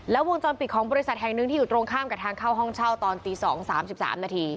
แล้ววงจรปิดของบริษัทแห่งหนึ่งที่อยู่ตรงข้ามกับทางเข้าห้องเช่าตอนตี๒๓๓นาที